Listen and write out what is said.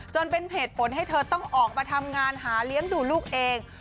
จนเป็นเหตุผลให้เธอต้องออกมาทำงานหาเลี้ยงดูลูกเอง